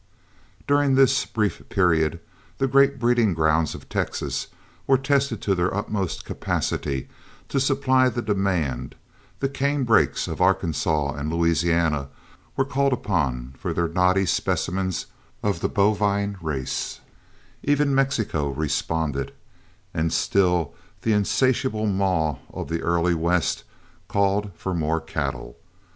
During this brief period the great breeding grounds of Texas were tested to their utmost capacity to supply the demand, the canebrakes of Arkansas and Louisiana were called upon for their knotty specimens of the bovine race, even Mexico responded, and still the insatiable maw of the early West called for more cattle.